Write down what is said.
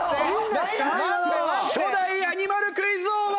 初代アニマルクイズ王は小尾君！